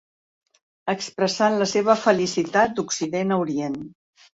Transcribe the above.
Expressant la seva felicitat d'Occident a Orient.